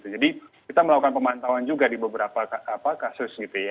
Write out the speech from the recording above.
jadi kita melakukan pemantauan juga di beberapa kasus